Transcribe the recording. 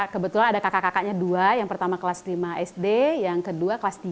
kebetulan ada kakak kakaknya dua yang pertama kelas lima sd yang kedua kelas tiga